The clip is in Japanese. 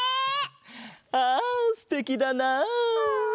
ああすてきだな。